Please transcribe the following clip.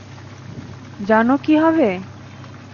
জানো কী হবে?